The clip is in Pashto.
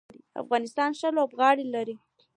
افغانستان ښه لوبغاړي لري.